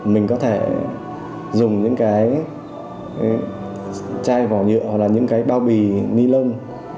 mình có thể dùng những cái chai vỏ nhựa hoặc là những cái bao bì ni lông